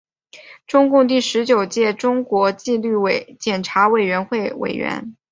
中共第十九届中央纪律检查委员会委员。